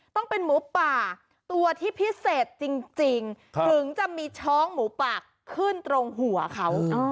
ต้องเป็นหมูป่าตัวที่พิเศษจริงถึงจะมีช้องหมูป่าขึ้นตรงหัวเขา